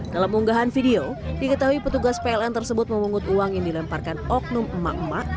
dalam unggahan video diketahui petugas pln tersebut memungut uang yang dilemparkan oknum emak emak